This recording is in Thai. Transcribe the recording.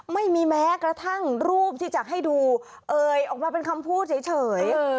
ไม่มีแม้กระทั่งรูปที่จะให้ดูเอ่ยออกมาเป็นคำพูดเฉย